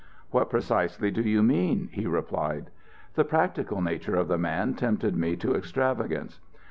"What precisely do you mean?" he replied. The practical nature of the man tempted me to extravagance.